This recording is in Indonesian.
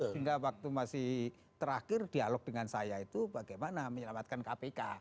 hingga waktu masih terakhir dialog dengan saya itu bagaimana menyelamatkan kpk